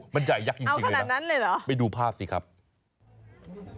มันใหญ่ยักษ์จริงเลยนะไปดูภาพสิครับเอาขนาดนั้นเลยเหรอ